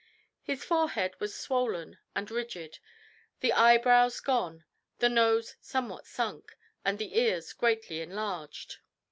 His forehead was swollen and rigid, the eyebrows gone, the nose somewhat sunk, and the ears greatly enlarged.